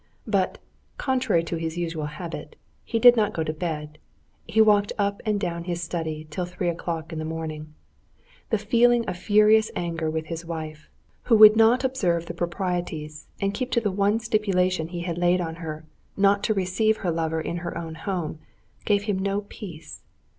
But, contrary to his usual habit, he did not go to bed, he walked up and down his study till three o'clock in the morning. The feeling of furious anger with his wife, who would not observe the proprieties and keep to the one stipulation he had laid on her, not to receive her lover in her own home, gave him no peace.